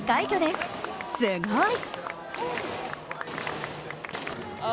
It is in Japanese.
すごい！